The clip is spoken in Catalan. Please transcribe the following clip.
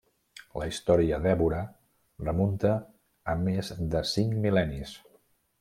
La història d'Évora remunta a més de cinc mil·lennis.